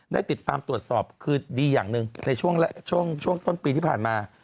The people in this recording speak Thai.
ได้ติดตามตรวจสอบคือดีอย่างหนึ่งในช่วงต้นปีที่ผ่านมา